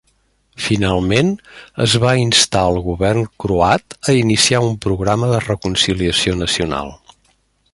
Finalment, es va instar al govern croat a iniciar un programa de reconciliació nacional.